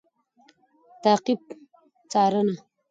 تعقیب √څارنه